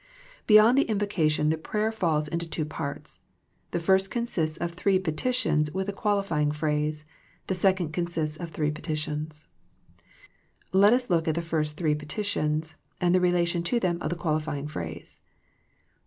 Beyond the invocation the prayer falls into two I parts. The first consists of three petitions with I a qualifying phrase ; the second consists of three ' petitions. Let us look at the first three petitions, and the relation to them of the qualifying phrase.